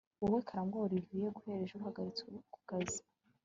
wowe karangwa olivier guhera ejo uhagaritwe kukazi